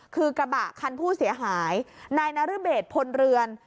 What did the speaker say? คือกระบะคันผู้เสียหายนายนรเบศพลเรือน